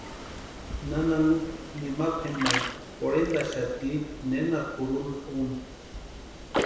Nana Lupa nimakwa jempani jorhentʼaxati nena kʼurhunta úni.